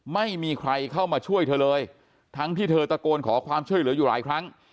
ไม่มีใครเข้ามาช่วยเธอเลยทั้งที่เธอตะโกนขอความช่วยเหลืออยู่หลายครั้ง